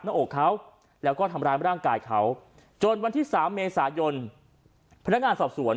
หน้าอกเขาแล้วก็ทำร้ายร่างกายเขาจนวันที่๓เมษายนพนักงานสอบสวน